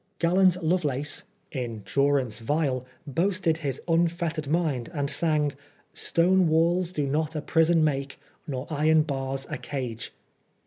GMlant Lovelace, in durance vile, boasted his un fettered mind, and sang —'* Stone walk do not a prison make, Nor iron bars a cage."